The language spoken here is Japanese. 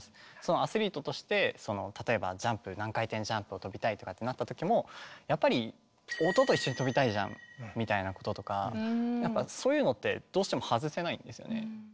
アスリートとして例えばジャンプ何回転ジャンプを跳びたいとかってなったときもやっぱり音と一緒に跳びたいじゃんみたいなこととかやっぱそういうのってどうしても外せないんですよね。